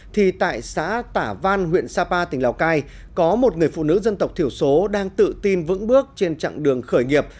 thì tại xã tả văn huyện sapa tỉnh lào cai có một người phụ nữ dân tộc thiểu số đang tự tin vững bước trên chặng đường khởi nghiệp